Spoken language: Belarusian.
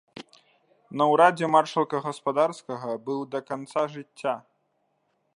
На ўрадзе маршалка гаспадарскага быў да канца жыцця.